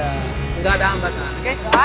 juga ada hambatan